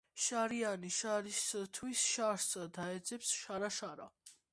შარიანი შარისათვის შარს დაეძებს შარა შარა